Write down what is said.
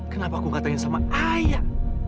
kenapa aku katanya sama ayah